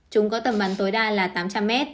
chúng có tầm bắn tối đa là tám trăm linh m